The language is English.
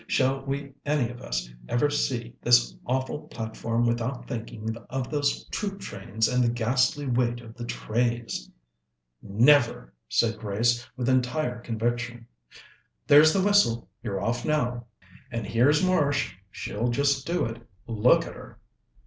shall we any of us ever see this awful platform without thinking of those troop trains and the ghastly weight of the trays?" "Never!" said Grace with entire conviction. "There's the whistle you're off now." "And here's Marsh she'll just do it. Look at her!"